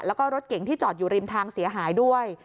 แล้วก็รถเก๋งที่จอดอยู่ริมทางเสียหายด้วย